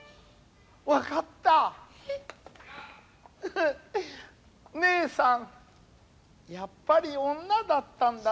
フフねえさんやっぱり女だったんだなあ。